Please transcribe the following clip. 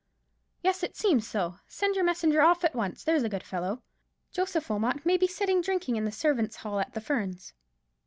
"Yes, it seems so. Send your messenger off at once, there's a good fellow. Joseph Wilmot may be sitting drinking in the servants' hall at the Ferns."